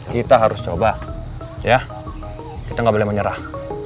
kita tidak akan menyerah